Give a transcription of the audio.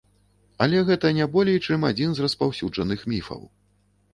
Але гэта не болей, чым адзін з распаўсюджаных міфаў.